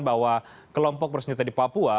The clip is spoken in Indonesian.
bahwa kelompok bersenjata di papua